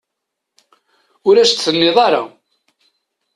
Ur as-t-tenniḍ ara.